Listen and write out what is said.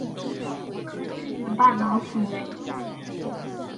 中国科学院半导体研究所。